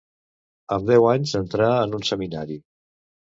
Amb deu anys entrà en un seminari.